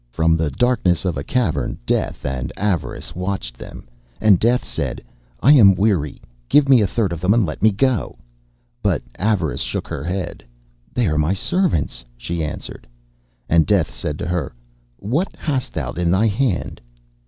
From the darkness of a cavern Death and Avarice watched them, and Death said, 'I am weary; give me a third of them and let me go.' But Avarice shook her head. 'They are my servants,' she answered. And Death said to her, 'What hast thou in thy hand?